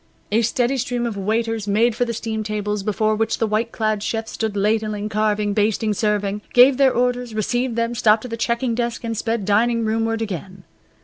A steady stream of waiters made for the steam tables before which the white clad chefs stood ladling, carving, basting, serving, gave their orders, received them, stopped at the checking desk, and sped dining roomward again.